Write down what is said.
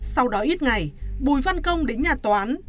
sau đó ít ngày bùi văn công đến nhà toán